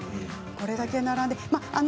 これだけ並んで。